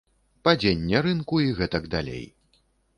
Падзенне рынку і гэтак далей.